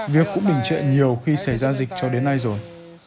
việc cũng bình trệ nhiều khi xảy ra dịch cho đến nay rồi